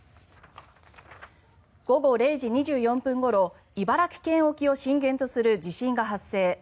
午後０時２４分ごろ茨城県沖を震源とする地震が発生。